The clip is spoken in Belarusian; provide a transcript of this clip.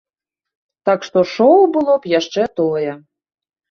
Так што шоў было б яшчэ тое.